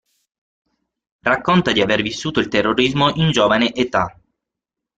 Racconta di aver vissuto il terrorismo in giovane età.